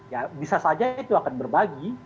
ya bisa saja itu akan berbagi